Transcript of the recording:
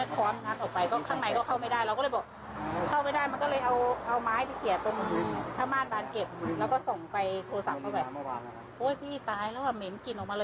จนก็งัดเข้า